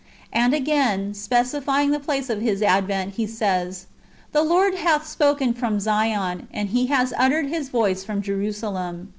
351 again, specifying the place of His advent, he says :" The Lord hath spoken from Zion, and He has uttered His voice from Jerusalem.